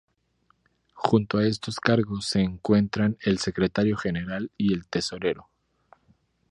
Junto a estos cargos se encuentran el Secretario General y el Tesorero.